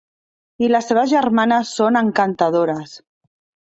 I les seves germanes són encantadores.